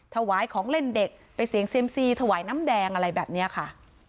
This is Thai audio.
ถวายของเล่นเด็กไปเสียงเซียมซีถวายน้ำแดงอะไรแบบนี้ค่ะ